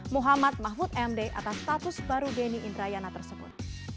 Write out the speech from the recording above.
muhammad mahfud md atas status baru denny indrayana tersebut